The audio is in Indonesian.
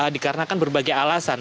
dikarenakan berbagai alasan